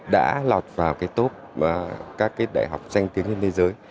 đã lọt vào top các cái đại học danh tiếng trên thế giới